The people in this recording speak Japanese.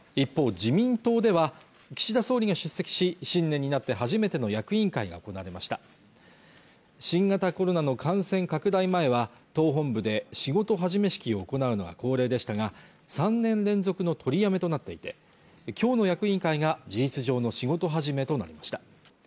自民党では岸田総理が出席し新年になって初めての役員会が行われました新型コロナの感染拡大前は党本部で仕事始め式を行うのが恒例でしたが３年連続の取りやめとなっていて今日の役員会が事実上の仕事始めとなりました